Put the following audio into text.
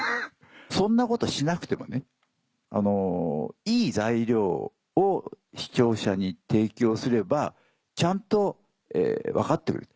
そんなことしなくてもねいい材料を視聴者に提供すればちゃんと分かってくれる。